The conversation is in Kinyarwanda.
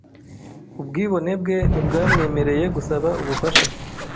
Ubwibone bwe ntibwamwemereye gusaba ubufasha .